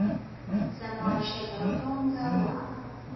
زما ژبه ګونګه وه ـ